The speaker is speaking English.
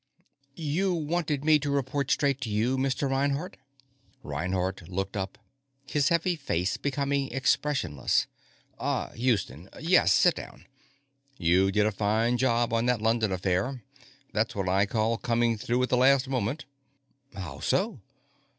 "You wanted me to report straight to you, Mr. Reinhardt?" Reinhardt looked up, his heavy face becoming expressionless. "Ah, Houston. Yes; sit down. You did a fine job on that London affair; that's what I call coming through at the last moment." "How so?"